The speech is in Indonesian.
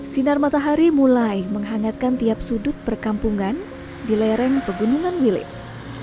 sinar matahari mulai menghangatkan tiap sudut perkampungan di lereng pegunungan wilis